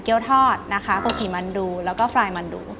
เกี๊ยวทอดนะคะโกกิมันดูแล้วก็ฟรายมันดู